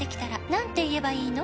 「何て言えばいいの？